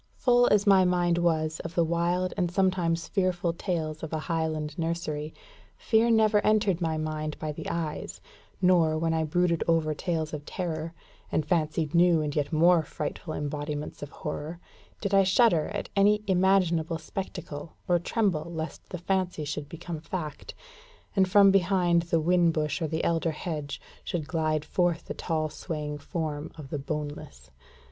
Full as my mind was of the wild and sometimes fearful tales of a Highland nursery, fear never entered my mind by the eyes, nor, when I brooded over tales of terror, and fancied new and yet more frightful embodiments of horror, did I shudder at any imaginable spectacle, or tremble lest the fancy should become fact, and from behind the whin bush or the elder hedge should glide forth the tall swaying form of the Boneless.